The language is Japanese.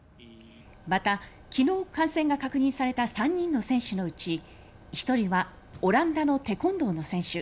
また、昨日感染が確認された３人の選手のうち１人はオランダのテコンドーの選手